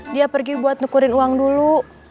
dia pergi buat nekurin uang dulu